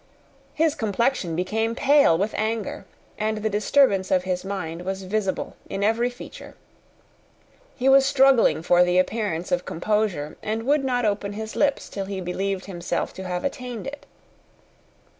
His complexion became pale with anger, and the disturbance of his mind was visible in every feature. He was struggling for the appearance of composure, and would not open his lips till he believed himself to have attained it.